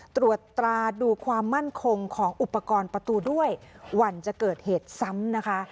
ตรวจตราดูความมั่นคงของอุปกรณ์ประตูด้วยหวั่นจะเกิดเหตุซ้ำนะคะ